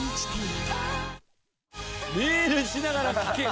メールしながら聴ける！